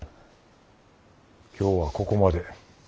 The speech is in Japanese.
今日はここまで。